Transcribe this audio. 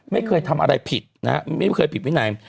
ไม่เคยทำอะไรผิดนะไม่เคยผิดไปไหน